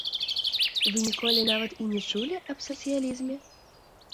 Вы ніколі нават і не чулі аб сацыялізме?